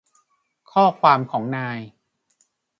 ข้อความของนาย